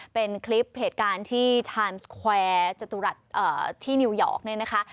เป็นคลิปเหตุการณ์ที่จัตุรัสอ่าที่นิวยอร์กเนี่ยนะคะ